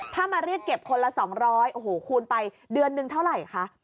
ถ้ามาเรียกเก็บคนละ๒๐๐โอ้โหคูณไปเดือนนึงเท่าไหร่คะ